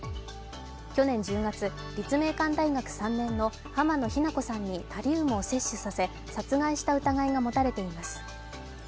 去年１０月、立命館大学３年の濱野日菜子さんにタリウムを摂取させ殺害した疑いが持たれています。